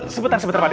sebentar pak d